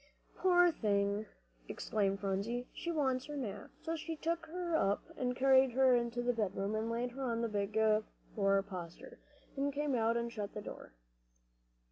"Poor thing!" exclaimed Polly, "she wants her nap." So she took her up, and carried her into the bedroom, and laid her on the big four poster, and came out and shut the door.